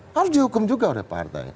harga hukum juga oleh partai